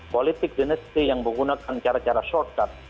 politik dinasti yang menggunakan cara cara shortcut